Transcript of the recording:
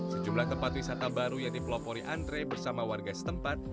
sejumlah tempat wisata baru yang dipelopori andre bersama warga setempat